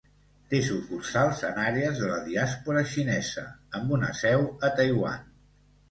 Té sucursals en àrees de la diàspora xinesa, amb una seu a Taiwan.